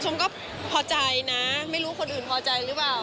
ชมก็พอใจนะไม่รู้คนอื่นพอใจหรือเปล่า